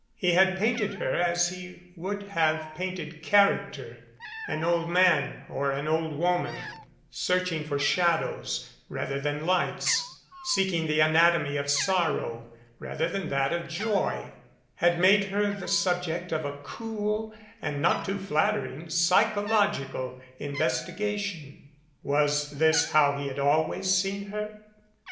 He had painted her as he would have painted char acter an old man or an old woman, searching for shad ows rather than lights, seeking the anatomy of sorrow rather than that of joy had made her the subject of a cool and not too flattering psychological investigation. Was this how he had always seen her?